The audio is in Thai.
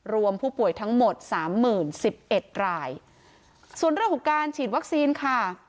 รวมผู้ป่วยทั้งหมด๓๐๐๑๑รายส่วนเรื่องของการฉีดวัคซีนค่ะ